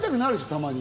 たまに。